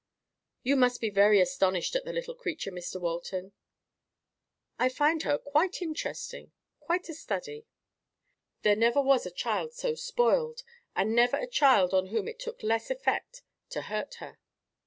"You must be very much astonished at the little creature, Mr Walton." "I find her very interesting. Quite a study." "There never was a child so spoiled, and never a child on whom it took less effect to hurt her.